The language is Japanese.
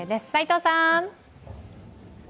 齋藤さん。